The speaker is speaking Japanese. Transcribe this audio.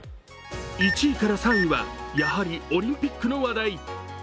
１位から３位は、やはりオリンピックの話題。